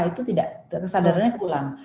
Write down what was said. itu tidak kesadarannya kurang